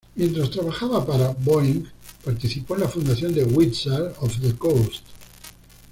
Mientras trabajaba para Boeing participó en la fundación de Wizards of the Coast.